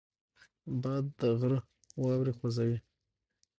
باد د غره واورې خوځوي